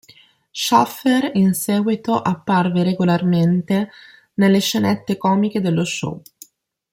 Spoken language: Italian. Shaffer in seguito apparve regolarmente nelle scenette comiche dello show.